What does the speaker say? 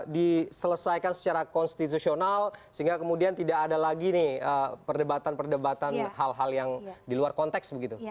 diselesaikan secara konstitusional sehingga kemudian tidak ada lagi nih perdebatan perdebatan hal hal yang di luar konteks begitu